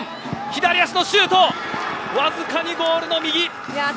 左足もシュート、わずかにゴールの右。